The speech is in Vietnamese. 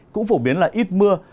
cũng phổ biến là ít mưa